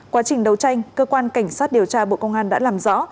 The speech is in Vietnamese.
quá trình đấu tranh cơ quan cảnh sát điều tra bộ công an đã làm rõ